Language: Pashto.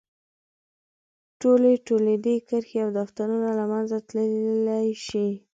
ټولې تولیدي کرښې او دفترونه له منځه تللی شي.